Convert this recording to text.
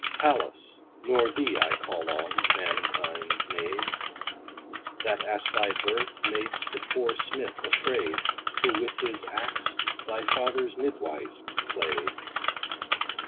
Pallas, nor thee I call on, mankind maid, That at thy birth, mad'st the poor smith afraid, Who with his axe, thy father's midwife plaid.